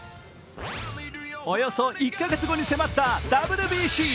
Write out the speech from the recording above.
およそ１か月後に迫ったＷＢＣ。